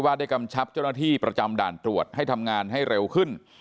ได้กำชับเจ้าหน้าที่ประจำด่านตรวจให้ทำงานให้เร็วขึ้น